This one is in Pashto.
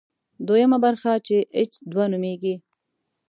دویمه برخه چې اېچ دوه نومېږي.